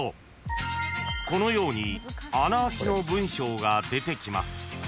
［このように穴あきの文章が出てきます］